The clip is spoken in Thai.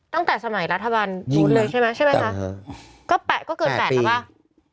ตั้งแต่สมัยรัฐบาลชุดเลยใช่ไหมใช่ไหมคะก็แปะก็เกินแปดแล้วป่ะ